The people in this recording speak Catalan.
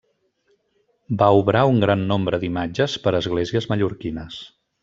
Va obrar un gran nombre d'imatges per a esglésies mallorquines.